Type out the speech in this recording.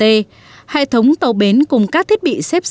hệ thống tàu bến cùng các thiết bị xếp dỡ